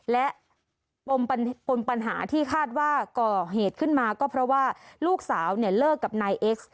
และปมปัญหาที่คาดว่าก่อเหตุขึ้นมาก็เพราะว่าลูกสาวเนี่ยเลิกกับนายเอ็กซ์